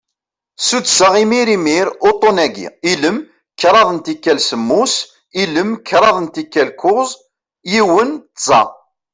Suddseɣ imir imir uṭṭun-agi: ilem, kraḍ n tikal semmus, ilem, kraḍ n tikal kuẓ, yiwen, tẓa.